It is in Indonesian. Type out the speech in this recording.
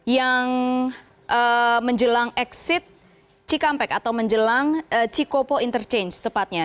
yang menjelang exit cikampek atau menjelang cikopo interchange tepatnya